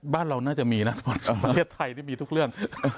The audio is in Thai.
บ้านเราน่าจะมีนะประเทศไทยนี่มีทุกเรื่อง